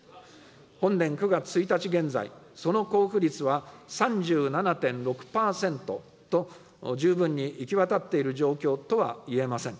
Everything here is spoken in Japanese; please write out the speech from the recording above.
本年９月１日現在、その交付率は３７．６％と、十分に行き渡っている状況とはいえません。